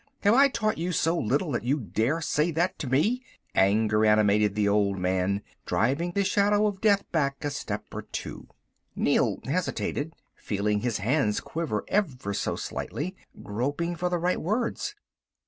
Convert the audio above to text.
Have I taught you so little that you dare say that to me?" Anger animated the old man, driving the shadow of death back a step or two. Neel hesitated, feeling his hands quiver ever so slightly, groping for the right words.